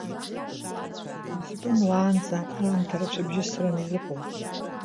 Избан уаанӡа аамҭа рацәа бжьысраны изыҟоу?